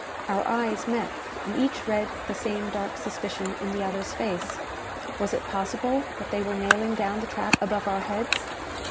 Our eyes met, and each read the same dark suspicion in the other's face. Was it possible that they were nailing down the trap above our heads?